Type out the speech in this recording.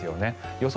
予想